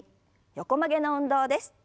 横曲げの運動です。